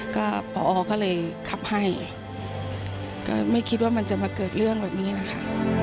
ก็พอก็เลยขับให้ก็ไม่คิดว่ามันจะมาเกิดเรื่องแบบนี้นะคะ